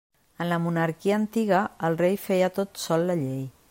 En la monarquia antiga, el rei feia tot sol la llei.